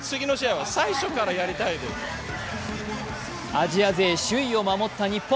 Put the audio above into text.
アジア勢首位を守った日本。